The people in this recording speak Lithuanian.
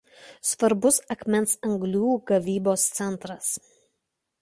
Svarbus akmens anglių gavybos centras.